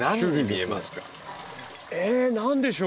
え何でしょう？